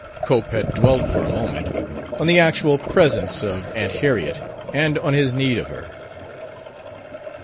Cope had dwelt, for a moment, on the actual presence of Aunt Harriet and on his need of her.